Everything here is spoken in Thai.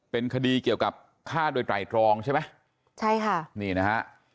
เป็นคดีเกี่ยวกับฆ่าโดยไตรตรองใช่ไหมใช่ค่ะนี่นะฮะ